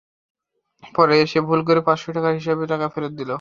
পরে ফিরে এসে ভুল করে পাঁচশো টাকার হিসাবে টাকা ফেরত দিল।